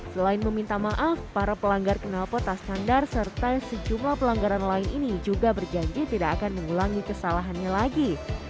selain meminta maaf para pelanggar kenal peta standar serta sejumlah pelanggaran lain ini juga berjanji tidak akan mengulangi kesalahannya lagi